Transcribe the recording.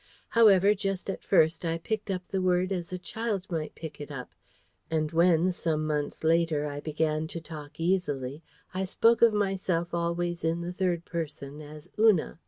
However, just at first, I picked up the word as a child might pick it up; and when, some months later, I began to talk easily, I spoke of myself always in the third person as Una.